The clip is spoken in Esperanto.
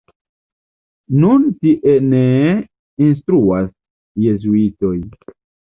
Nun tie ne instruas jezuitoj.